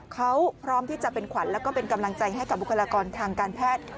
เขาพร้อมที่จะเป็นขวัญแล้วก็เป็นกำลังใจให้กับบุคลากรทางการแพทย์